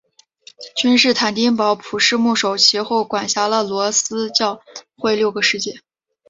君士坦丁堡普世牧首其后管辖了罗斯教会六个世纪。